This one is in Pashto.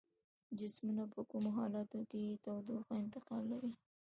جسمونه په کومو حالتونو کې تودوخه انتقالوي؟